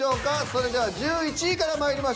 それでは１１位からまいりましょう。